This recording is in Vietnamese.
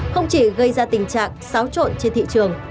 không chỉ gây ra tình trạng xáo trộn trên thị trường